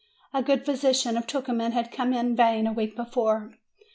A good physician of Tucuman had come in vain a week before.